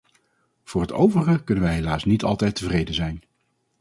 Voor het overige kunnen wij helaas niet altijd tevreden zijn.